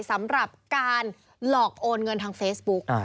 สำหรับการหลอกโอนเงินทางเฟซบุ๊ก